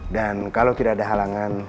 dan kalau tidak ada halangan